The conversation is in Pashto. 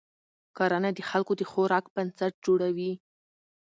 کرنه د خلکو د خوراک بنسټ جوړوي